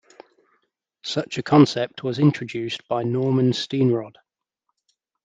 Such a concept was introduced by Norman Steenrod.